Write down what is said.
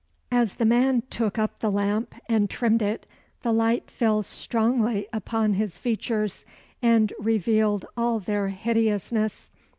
As the man took up the lamp and trimmed it, the light fell strongly upon his features, and revealed all their hideousness.